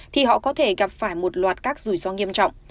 thì họ có thể gặp phải một loạt các rủi ro nghiêm trọng